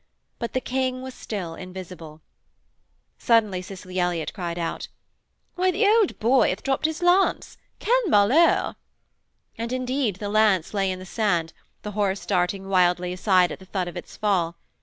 But the King was still invisible. Suddenly Cicely Elliott cried out: 'Why, the old boy hath dropped his lance! Quel malheur!' and indeed the lance lay in the sand, the horse darting wildly aside at the thud of its fall.